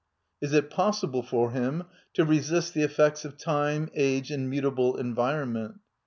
Is it possible for him to resist the effects of time, age and mutable environment?